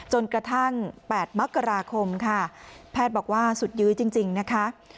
จนกระทั่ง๘มกราคมค่ะแพทย์บอกว่าสุดยื้อจริงนะคะ